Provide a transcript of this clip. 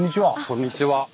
こんにちは。